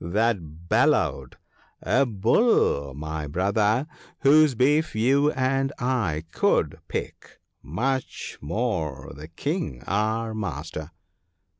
that bellowed — a bull, my brother — whose beef you and I could pick, much more the King our master.'